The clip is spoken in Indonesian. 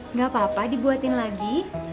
nggak apa apa dibuatin lagi